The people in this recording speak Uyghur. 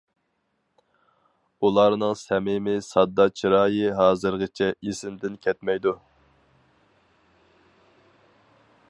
ئۇلارنىڭ سەمىمىي، ساددا چىرايى ھازىرغىچە ئېسىمدىن كەتمەيدۇ.